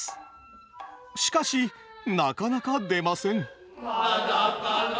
しかしなかなか出ません。